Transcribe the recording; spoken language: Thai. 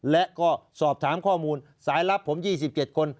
และก็สอบถามข้อมูลสายลับผม๒๗คน